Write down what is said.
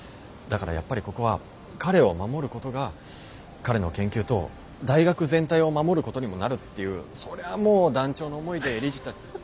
だからやっぱりここは彼を守ることが彼の研究と大学全体を守ることにもなるっていうそりゃもう断腸の思いで理事たち。